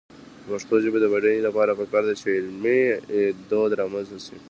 د پښتو ژبې د بډاینې لپاره پکار ده چې علمي دود رامنځته شي.